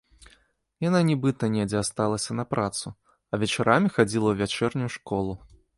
Яна нібыта недзе асталася на працу, а вечарамі хадзіла ў вячэрнюю школу.